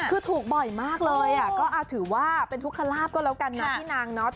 คือถูกบ่อยมากเลยก็ถือว่าเป็นทุกขลาบก็แล้วกันนะพี่นางเนาะ